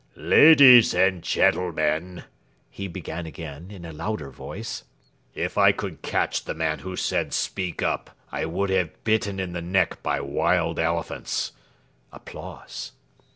"Ladies and gentlemen," he began again, in a louder voice, "if I could catch the man who said 'Speak up!' I would have him bitten in the neck by wild elephants.